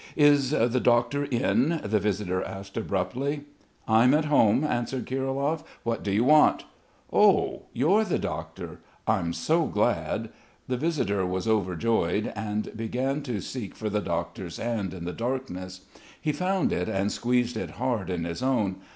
"Is the doctor in?" the visitor asked abruptly. "I'm at home," answered Kirilov. "What do you want?" "Oh, you're the doctor? I'm so glad!" The visitor was overjoyed and began to seek for the doctor's hand in the darkness. He found it and squeezed it hard in his own.